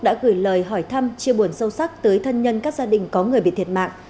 đã gửi lời hỏi thăm chia buồn sâu sắc tới thân nhân các gia đình có người bị thiệt mạng